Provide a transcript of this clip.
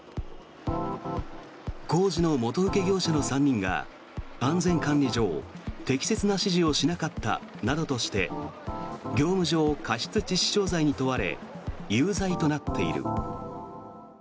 工事の元請け業者の３人が安全管理上適切な指示をしなかったなどとして業務上過失致死傷罪に問われ有罪となっている。